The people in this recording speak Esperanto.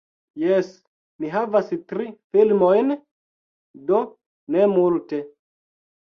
Jes, mi havas tri filmojn, do ne multe